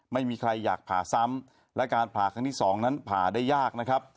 ไม่มีใครอยากผ่าซ้ำและการผ่าครั้งที่สองนั้นผ่าได้ยากนะครับ